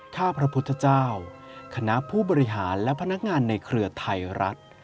ถ้าพระพุทธเจ้าคณะผู้บริหารและพนักงานในเครือไทยรัฐ